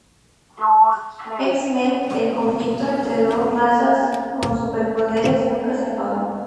X-Men", el conflicto entre las dos razas con superpoderes nunca se apagó.